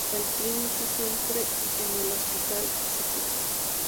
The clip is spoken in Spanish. El Trinity Centre en el Hospital St.